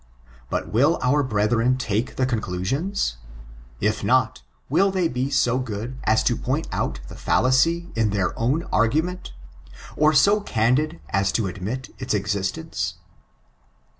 But will our brethren take the conclusions ? If not, will they be so good as to point out the fallacy, in their own argument ? or so candid, as tx> admit its existence